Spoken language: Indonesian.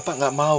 bapak tidak mau